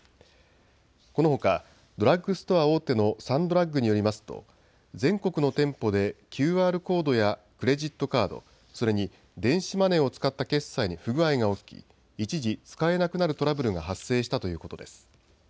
このほかドラッグストア大手のサンドラッグによりますと全国の店舗でＱＲコードやクレジットカード、それに電子マネーを使った決済に不具合が起き一時、使えなくなるトラブルが発生したということです。